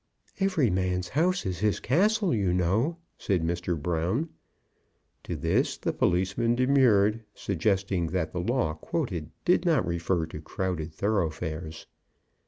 "Every man's house is his castle, you know," said Mr. Brown. To this the policeman demurred, suggesting that the law quoted did not refer to crowded thoroughfares.